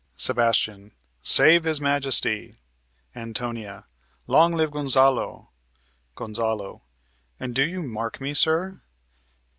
Seb. 'Save his Majesty! Ant. Long live Gonzalo! Gon. And do you mark me, sir?